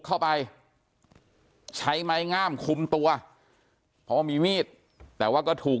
เข้าไปใช้ไม้งามขุมตัวมีมีแต่ว่าก็ถูก